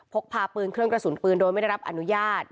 พกพาปืนเครื่องกระสุนปืนโดยไม่ได้รับอนุญาต